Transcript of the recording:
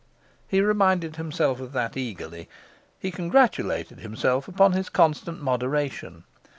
He reminded himself of that eagerly; he congratulated himself upon his constant moderation.